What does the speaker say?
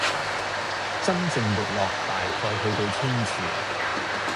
真正沒落大概去到清朝